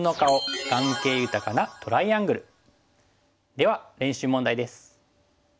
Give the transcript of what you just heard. では練習問題です。